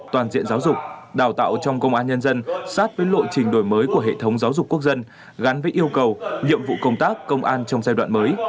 toàn diện giáo dục đào tạo trong công an nhân dân sát với lộ trình đổi mới của hệ thống giáo dục quốc dân gắn với yêu cầu nhiệm vụ công tác công an trong giai đoạn mới